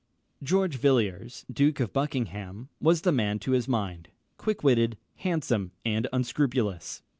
George Villiers, Duke of Buckingham, was the man to his mind: quick witted, handsome, and unscrupulous.